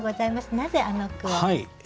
なぜあの句を？